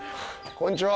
こんにちは。